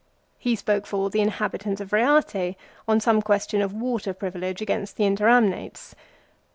2 He spoke for the inhabitants of Keate on some question of water privilege against the Interamnates.